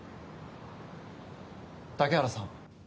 竹原さん。